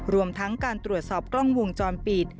รวมทั้งการตรวจสอบกล้องวงจรปิด